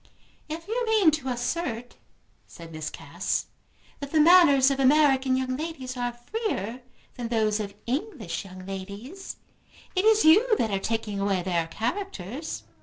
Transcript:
"If you mean to assert," said Miss Cass, "that the manners of American young ladies are freer than those of English young ladies, it is you that are taking away their characters."